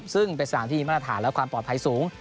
ซึ่งเป็นสถานที่มาตรฐานและความปลอดภัยสูง